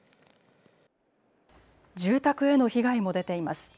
住宅への被害も出ています。